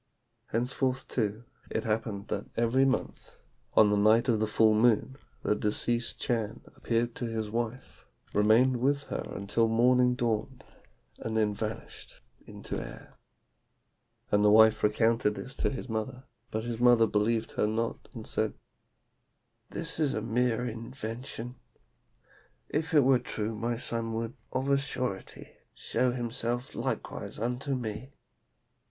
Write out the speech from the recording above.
"Henceforth, too, it happened that every month, on the night of the full moon, the deceased Chan appeared to his wife, remained with her until morning dawned, and then vanished into air. And the wife recounted this to his mother, but his mother believed her not, and said, 'This is a mere invention. If it were true my son would, of a surety, show himself likewise unto me.